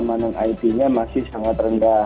di mana it nya masih sangat rendah